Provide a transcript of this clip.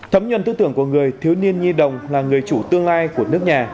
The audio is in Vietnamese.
thấm nhuận tư tưởng của người thiếu niên nhi đồng là người chủ tương lai của nước nhà